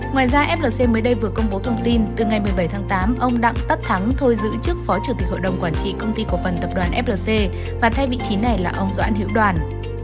ngoài ra flc mới đây vừa công bố thông tin từ ngày một mươi bảy tháng tám ông đặng tất thắng thôi giữ chức phó chủ tịch hội đồng quản trị công ty cổ phần tập đoàn flc và thay vị trí này là ông doãn hữu đoàn